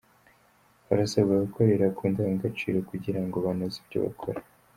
Barasabwa gukorera ku ndangagaciro kugira ngo banoze ibyo bakora